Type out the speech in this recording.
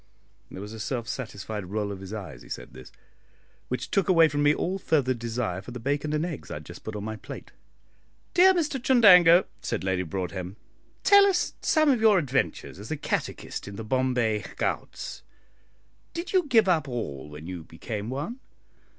There was a self satisfied roll of his eye as he said this, which took away from me all further desire for the bacon and eggs I had just put on my plate. "Dear Mr Chundango," said Lady Broadhem, "tell us some of your adventures as a catechist in the Bombay Ghauts. Did you give up all when you became one?